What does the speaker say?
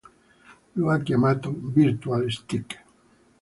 Lo ha chiamato "Virtual Stick".